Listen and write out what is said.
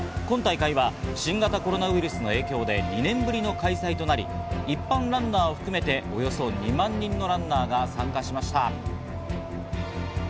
今大会は新型コロナウイルスの影響で２年ぶりの開催となり、一般ランナーを含めておよそ２万人のランナーが参加しました。